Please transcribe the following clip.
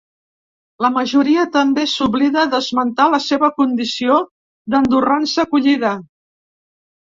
La majoria també s’oblida d’esmentar la seva condició d’andorrans d’acollida.